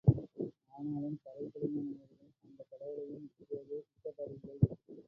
ஆனாலும் கறை படிந்த மனிதர்கள் அந்தக் கடவுளையும் இப்போது விட்ட பாடில்லை.